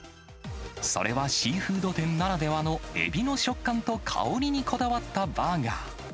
それはシーフード店ならではのエビの食感と香りにこだわったバーガー。